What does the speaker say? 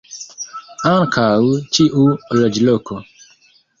Ankaŭ ĉiu loĝloko.